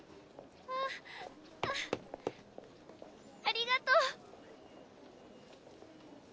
ありがとう！